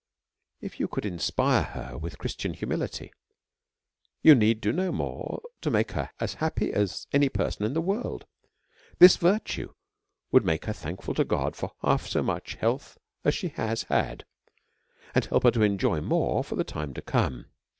If you would inspire her with a Christian humility, you need do no more to make her happy as any per son in the world. This virtue would make her thank ful to God for half so much health as she has had, and help her to enjoy more for the time to come.